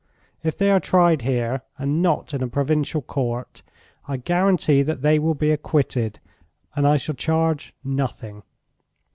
If they are tried here, and not in a provincial court, I guarantee that they will be acquitted, and I shall charge nothing.